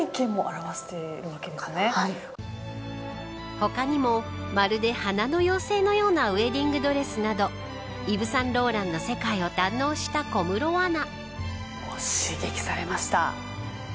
他にもまるで花の妖精のようなウエディングドレスなどイヴ・サンローランの世界を堪能した小室アナ。